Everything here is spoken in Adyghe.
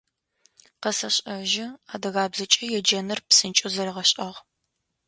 Къэсэшӏэжьы, адыгабзэкӏэ еджэныр псынкӏэу зэригъэшӏагъ.